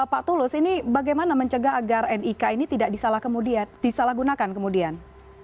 pak tulus ini bagaimana mencegah agar nik ini tidak disalahgunakan kemudian